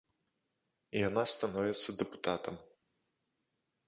І яна становіцца дэпутатам.